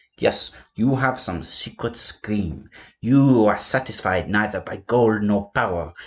Yes, you have some secret scheme, you who are satisfied neither by gold nor power.